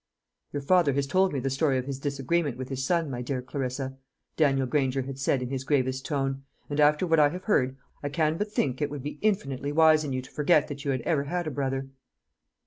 "Your father has told me the story of his disagreement with his son, my dear Clarissa," Daniel Granger had said in his gravest tone, "and after what I have heard, I can but think it would be infinitely wise in you to forget that you had ever had a brother."